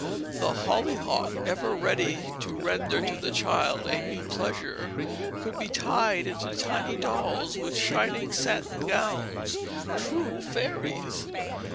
The hollyhock, ever ready to render to the child a new pleasure, could be tied into tiny dolls with shining satin gowns, true fairies.